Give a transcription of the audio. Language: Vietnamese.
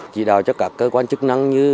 chỉ đào cho các cơ quan chức năng như